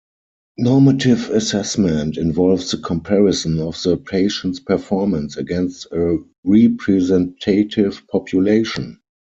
Normative assessment, involves the comparison of the patient's performance against a representative population.